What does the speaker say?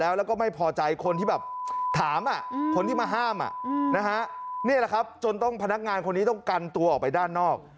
แล้วก็ไม่พอใจคนที่แบบถามคนที่มาห้ามนี่แหละครับจนต้องพนักงานคนนี้ต้องกันตัวออกไปด้านนอก